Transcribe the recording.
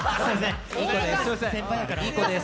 いい子です。